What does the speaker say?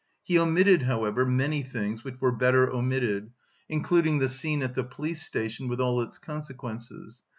He omitted, however, many things, which were better omitted, including the scene at the police station with all its consequences.